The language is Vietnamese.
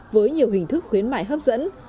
với nhiều hình thức khuyến mại hấp dẫn